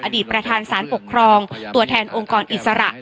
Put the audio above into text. อดีตประธานสารปกครองตัวแทนองค์กรอิสระ